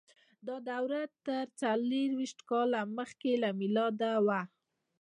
دا دوره تر څلور ویشت کاله مخکې له میلاده وه.